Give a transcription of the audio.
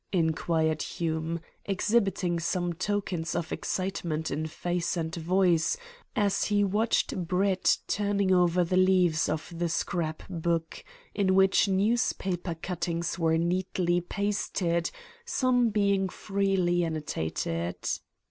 inquired Hume, exhibiting some tokens of excitement in face and voice as he watched Brett turning over the leaves of the scrap book, in which newspaper cuttings were neatly pasted, some being freely annotated.